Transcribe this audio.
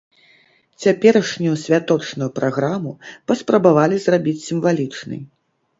Цяперашнюю святочную праграму паспрабавалі зрабіць сімвалічнай.